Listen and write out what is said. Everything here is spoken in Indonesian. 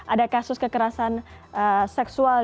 ada kasus kekerasan seksual